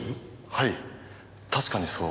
はい確かにそう。